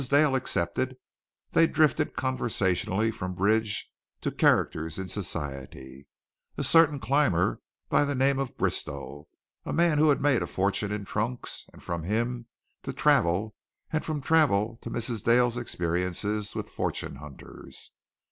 Dale accepted. They drifted conversationally from bridge to characters in society a certain climber by the name of Bristow, a man who had made a fortune in trunks and from him to travel and from travel to Mrs. Dale's experiences with fortune hunters.